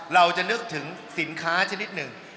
เราจะนึกถึงสินค้าชนิดหนึ่ง